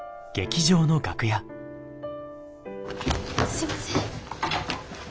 すいません。